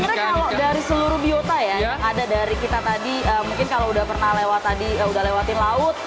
sebenarnya kalau dari seluruh biota ya ada dari kita tadi mungkin kalau udah pernah lewatin laut